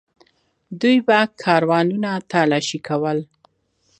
دوی به کاروانونه تالاشي کول.